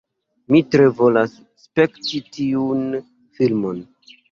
Mi tre volas spekti tiun filmon